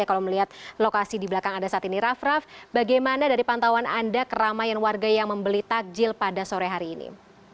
kalau melihat lokasi di belakang anda saat ini raff raff bagaimana dari pantauan anda keramaian warga yang membeli takjil pada sore hari ini